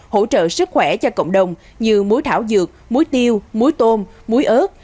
hỗ trợ sức khỏe cho cộng đồng như muối thảo dược muối tiêu muối tôm muối ớt